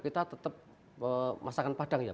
kita tetap masakan padang ya